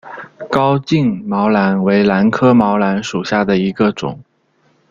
高茎毛兰为兰科毛兰属下的一个种。